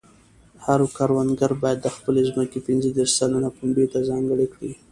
هر کروندګر باید د خپلې ځمکې پنځه دېرش سلنه پنبې ته ځانګړې کړي.